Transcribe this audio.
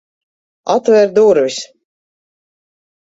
Atver durvis!